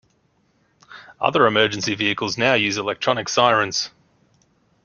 Other emergency vehicles now use electronic sirens.